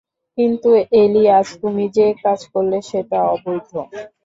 কিন্তু এলী, আজ তুমি যে কাজ করলে সেটা অবৈধ।